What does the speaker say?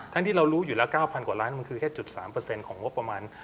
ที่เรารู้อยู่แล้ว๙๐๐กว่าล้านมันคือแค่๓ของงบประมาณ